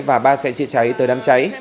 và ba xe chữa cháy tới đám cháy